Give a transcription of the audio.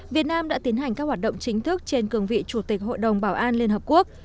việt nam đã tiến hành các hoạt động chính thức trên cường vị chủ tịch hội đồng bảo an liên hợp quốc